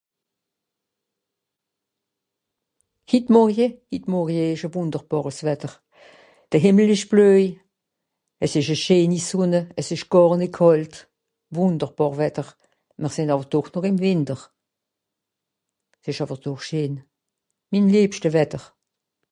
hit morje hit morje esch a wùnderbàres wetter de Hìmmel esch bleuj as esch a scheeni sonne ass esch gàrn nìt kàlt wùnderbàr wetter mr sìn noch doch ìm Wìnter s'esch àwer doch scheen min lebschte wetter